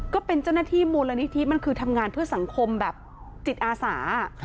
ก็เป็นเจ้าหน้าที่มูลนิธิมันคือทำงานเพื่อสังคมแบบจิตอาสา